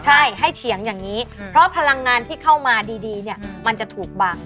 ใช่ให้เฉียงอย่างนี้เพราะพลังงานที่เข้ามาดีเนี่ยมันจะถูกบัง